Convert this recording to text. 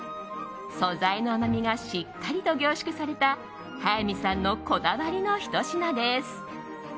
素材の甘みがしっかりと凝縮された速水さんのこだわりのひと品です。